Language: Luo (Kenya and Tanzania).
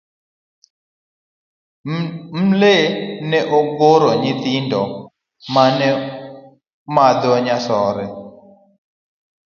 Mle ne ogoro nyithindo mane madho nyasore.